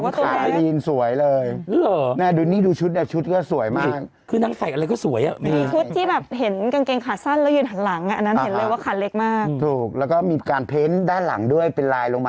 ตัวแล้วจะควายจะไปเจ็บไอ้ครัวของเขาลูกตัวนางแบบเล็กแต่ใส่เลยสวยไปหมดเลยอ่ะ